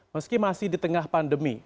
meski masih di tengah pandemi